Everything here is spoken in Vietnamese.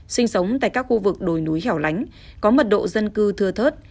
sinh sống tại các khu vực đồi núi hẻo lánh có mật độ dân cư thưa thớt